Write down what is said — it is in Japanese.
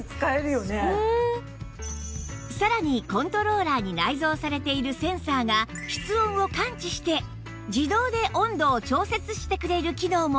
さらにコントローラーに内蔵されているセンサーが室温を感知して自動で温度を調節してくれる機能もあるんです